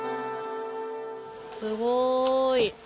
すごい。